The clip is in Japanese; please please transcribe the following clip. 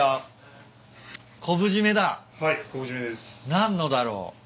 何のだろう？